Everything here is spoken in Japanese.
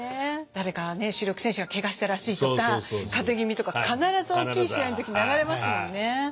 誰かがね主力選手がケガしたらしいとか風邪気味とか必ず大きい試合の時流れますもんね。